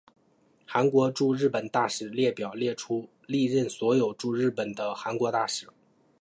韩国驻日本大使列表列出历任所有驻日本的韩国大使。